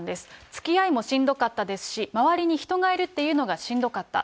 つきあいもしんどかったですし、周りに人がいるっていうのがしんどかった。